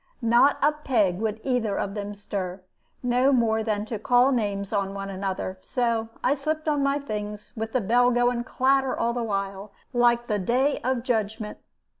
Not a peg would either of them stir, no more than to call names on one another; so I slipped on my things, with the bell going clatter all the while, like the day of judgment.